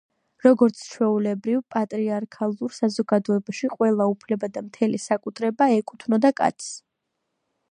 როგორც ჩვეულებრივ პატრიარქალურ საზოგადოებაში, ყველა უფლება და მთელი საკუთრება ეკუთვნოდა კაცს.